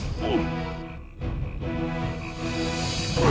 jangan sampai kau mencabut kayu ini